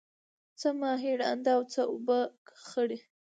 څه ماهی ړانده او څه اوبه خړی.